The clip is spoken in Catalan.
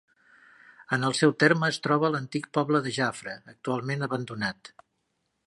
En el seu terme es troba l'antic poble de Jafre, actualment abandonat.